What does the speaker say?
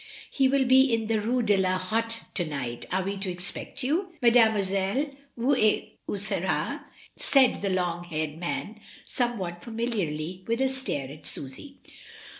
He will be in the Rue de la Hotte to night, are we to expect you? Mademoiselle vous es'cusera" said the long haired man somewhat fami liarly, with a stare at Susy.